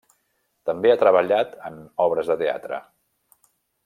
També ha treballat en obres de teatre.